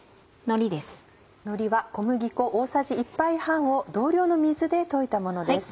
のりは小麦粉大さじ１杯半を同量の水で溶いたものです。